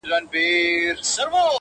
• د الماسو یو غمی وو خدای راکړی..